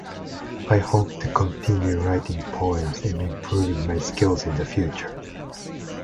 I hope to continue writing poems and improving my skills in the future.